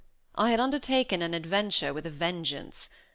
I had undertaken an adventure with a vengeance!